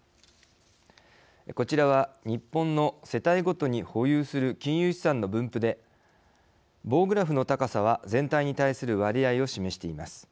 こちらは、日本の世帯ごとに保有する金融資産の分布で棒グラフの高さは全体に対する割合を示しています。